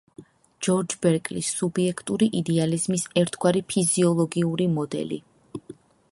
ჯორჯ ბერკლის სუბიექტური იდეალიზმის ერთგვარი „ფიზიოლოგიური მოდელი“.